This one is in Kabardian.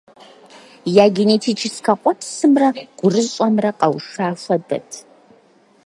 Я генетическэ къуэпсымрэ гурыщӏэмрэ къэуша хуэдэт.